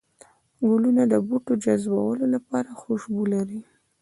گلونه د بوټو جذبولو لپاره خوشبو لري